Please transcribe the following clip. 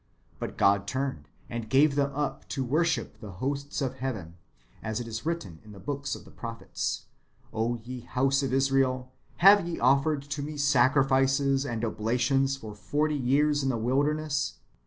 But God turned, and gave them up to worship the hosts of heaven ; as it is written in the book of the prophets :^ O ye house of Israel, have ye offered to me sacrifices and oblations for forty years in the wilderness